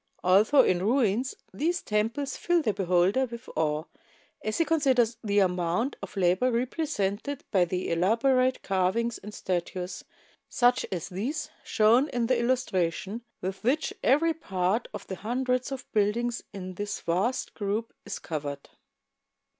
Although in ruins these temples fill the beholder with awe as he considers the amount of labor represented by the elaborate carvings and statues, such as these shown in the illustration, with which every part of the hundreds of buildings in this vast group is covered.